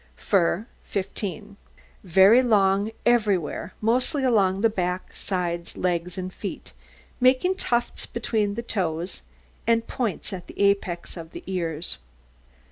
FUR 15 Very long everywhere, mostly along the back, sides, legs, and feet, making tufts between the toes, and points at the apex of the ears.